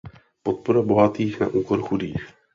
Podpora bohatých na úkor chudých.